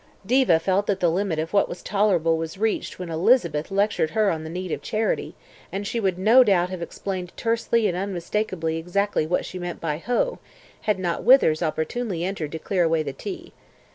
Diva felt that the limit of what was tolerable was reached when Elizabeth lectured her on the need of charity, and she would no doubt have explained tersely and unmistakably exactly what she meant by "Ho!" had not Withers opportunely entered to clear away tea.